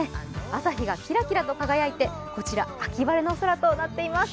朝日がキラキラと輝いて秋晴れの空となっています。